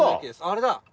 あれだ！